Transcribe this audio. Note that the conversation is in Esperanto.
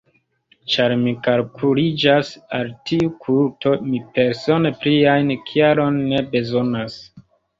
Ĉar mi kalkuliĝas al tiu kulto, mi persone plian kialon ne bezonas.